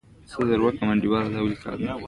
د باریم چارج به مثبت دوه وي.